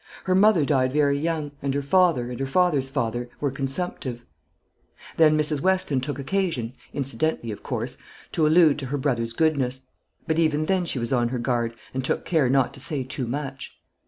Her mother died very young; and her father, and her father's father, were consumptive." Then Mrs. Weston took occasion, incidentally of course, to allude to her brother's goodness; but even then she was on her guard, and took care not to say too much.